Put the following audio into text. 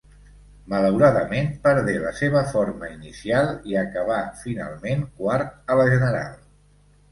Malauradament, perdé la seva forma inicial i acabà finalment quart a la general.